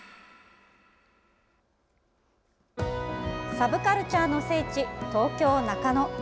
サブカルチャーの聖地東京・中野。